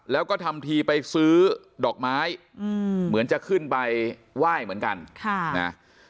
แล้วก็ทำทีไปซื้อดอกไม้เหมือนจะขึ้นไปไหว้เหมือนกันค่ะนะ